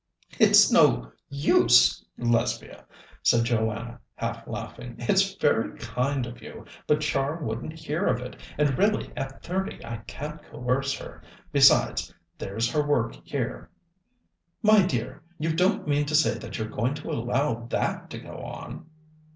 "It's no use, Lesbia," said Joanna, half laughing. "It's very kind of you, but Char wouldn't hear of it and really at thirty I can't coerce her besides, there's her work here." "My dear, you don't mean to say that you're going to allow that to go on?"